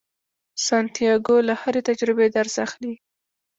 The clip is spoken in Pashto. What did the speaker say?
سانتیاګو له هرې تجربې درس اخلي.